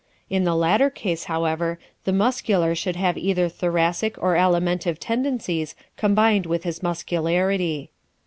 In the latter case, however, the Muscular should have either Thoracic or Alimentive tendencies combined with his muscularity.